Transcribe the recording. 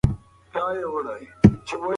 ده غوښتل کور ته ولاړ شي.